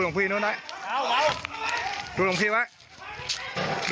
คลิปนี้เป็นคลิปหลังเกิดเหตุ